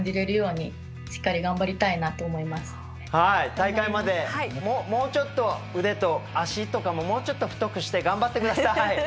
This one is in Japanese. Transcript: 大会までもうちょっと腕と脚とかももうちょっと太くして頑張ってください。